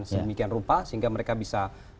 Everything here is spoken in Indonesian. sedemikian rupa sehingga mereka bisa